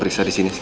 area sini lembek